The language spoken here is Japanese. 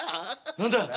何だ！